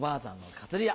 カツリャ？